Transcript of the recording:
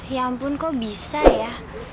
ya ampun kok bisa ya